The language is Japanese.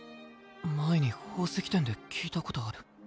前に宝石店で聞いたことある。